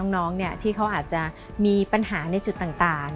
น้องที่เขาอาจจะมีปัญหาในจุดต่าง